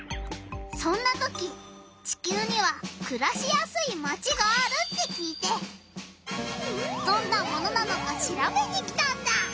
そんな時地きゅうにはくらしやすいマチがあるって聞いてどんなものなのかしらべに来たんだ！